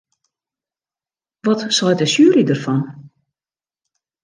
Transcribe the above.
Wat seit de sjuery derfan?